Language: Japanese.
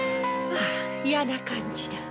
ああ嫌な感じだ。